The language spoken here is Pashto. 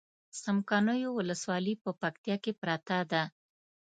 څمکنيو ولسوالي په پکتيا کې پرته ده